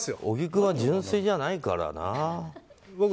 小木君は純粋じゃないからな。